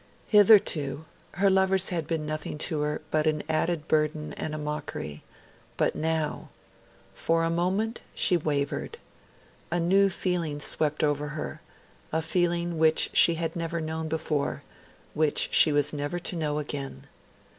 Hitherto, her lovers had been nothing to her but an added burden and a mockery; but now for a moment she wavered. A new feeling swept over her a feeling which she had never known before which she was never to know again.